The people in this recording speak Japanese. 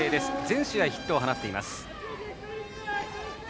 全試合ヒットを放っています。